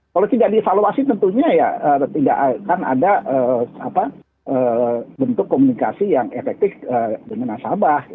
kalau tidak dievaluasi tentunya ya tidak akan ada bentuk komunikasi yang efektif dengan nasabah